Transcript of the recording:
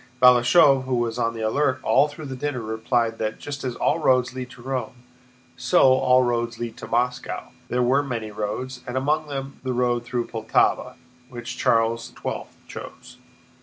Balashëv, who was on the alert all through the dinner, replied that just as "all roads lead to Rome," so all roads lead to Moscow: there were many roads, and "among them the road through Poltáva, which Charles XII chose."